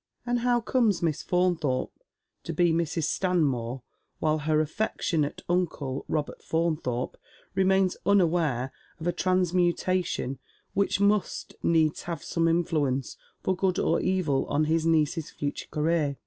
And how comes Miss Faunthorpe to be Mrs. Stanmore, while her affectionate uncle, Robert Faunthorpe, remains unaware of a transmutation which must needs have some influence for good or evil on his niece's future career?